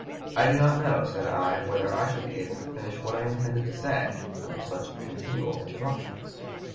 'I do not know,' said I, 'whether I shall be able to finish what I intended to say, under such continual interruptions.'"